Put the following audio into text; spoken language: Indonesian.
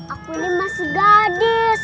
aku ini masih gadis